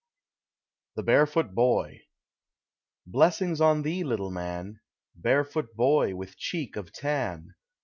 TFIE BAREFOOT BOY. Blkssinos on thee, little man. Barefoot boy, with cheek of tan!